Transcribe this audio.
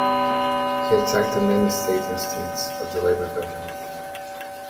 He attacked the "nanny state" instincts of the Labour government.